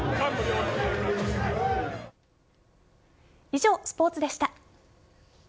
以上、スポーツでした。